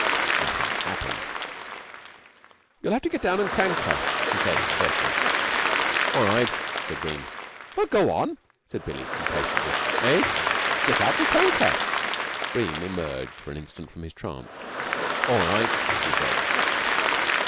Nothing happened. "You'll have to get down and crank her," she said curtly. "All right," said Bream. "Well, go on," said Billie impatiently. "Eh?" "Get out and crank her." Bream emerged for an instant from his trance. "All right," he said.